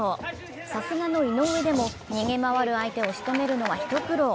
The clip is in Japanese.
さすがの井上でも、逃げ回る相手をしとめるのはひと苦労。